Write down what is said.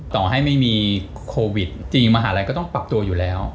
ต่อให้ไม่มีโควิดจริงมหาลัยก็ต้องปรับตัวอยู่แล้ว